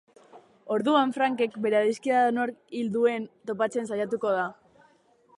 Orduan, Frankek bere adiskidea nork hil duen topatzen saiatuko da.